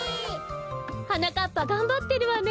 はなかっぱがんばってるわね。